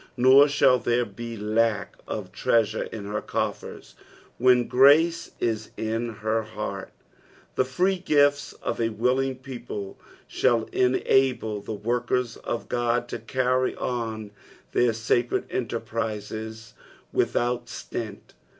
Nor shall there be lack of treasure in her coffers when grace is in her heart ; the free gifts of a willing people Bhail enable the workers for Ood to carry on their sacred enterprises without stint.